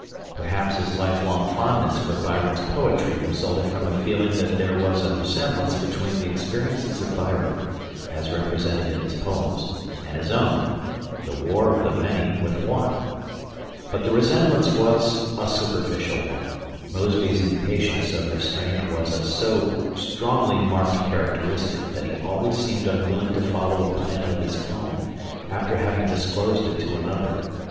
Perhaps his lifelong fondness for Byron's poetry resulted from a feeling that there was a resemblance between the experiences of Byron, as represented in his poems, and his own the "war of the many with one." But the resemblance was a superficial one. Mosby's impatience of restraint was a so strongly marked characteristic that he always seemed unwilling to follow a plan of his own, after having disclosed it to another.